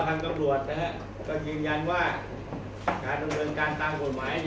แต่เรื่องท่าเลยร้องทางแป้งเนี่ย